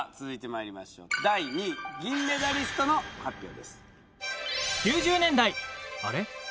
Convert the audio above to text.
続いてまいりましょう第２位銀メダリストの発表です